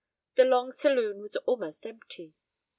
The long saloon was almost empty.